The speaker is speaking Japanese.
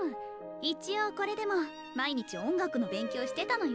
一応これでも毎日音楽の勉強してたのよ？